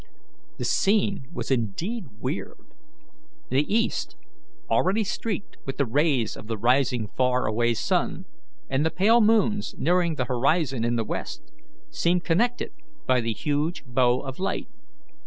The scene was indeed weird. The east, already streaked with the rays of the rising far away sun, and the pale moons nearing the horizon in the west, seemed connected by the huge bow of light.